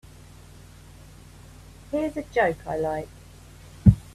Here's a joke I like.